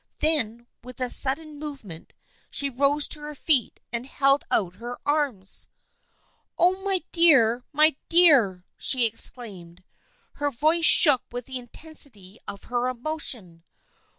Then, with a sud den movement she rose to her feet and held out her arms. " Oh, my dear, my dear !" she exclaimed. Her voice shook with the intensity of her emotion.